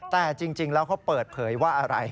แต่จริงแล้วเขาเปิดเผยว่าอะไร